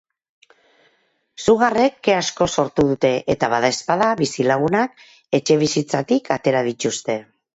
Sugarrek ke asko sortu dute eta badaezpada bizilagunak etxebizitzatik atera dituzte.